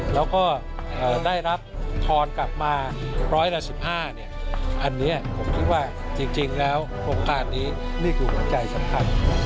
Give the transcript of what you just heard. แล้วก็ได้รับทอนกลับมาร้อยละ๑๕อันนี้ผมคิดว่าจริงแล้วโครงการนี้นี่คือหัวใจสำคัญ